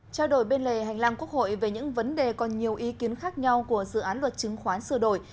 trao đổi bên lề hành lang quốc hội về những vấn đề còn nhiều ý kiến khác nhau của dự án luật chứng khoán sửa đổi